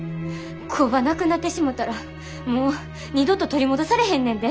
工場なくなってしもたらもう二度と取り戻されへんねんで。